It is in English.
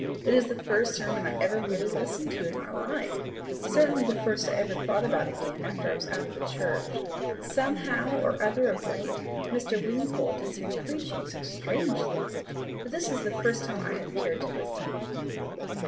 It is the first sermon I ever really listened to in my life certainly the first I ever thought about again after I was out of the church. Somehow or other of late Mr. Wingfold has been preaching so strangely! but this is the first time I have cared to listen.